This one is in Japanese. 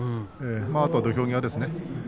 あと土俵際ですね。